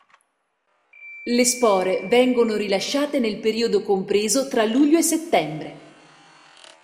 Le spore vengono rilasciate nel periodo compreso tra luglio e settembre.